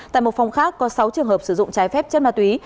tại một phòng khác có sáu trường hợp sử dụng trái phép chất ma túy